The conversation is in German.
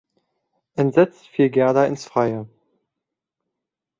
Entsetzt flieht Gerda ins Freie.